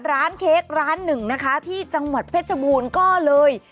เค้กร้านหนึ่งนะคะที่จังหวัดเพชรบูรณ์ก็เลย